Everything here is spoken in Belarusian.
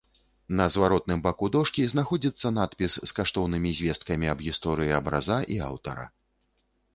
На зваротным баку дошкі знаходзіцца надпіс з каштоўнымі звесткамі аб гісторыі абраза і аўтара.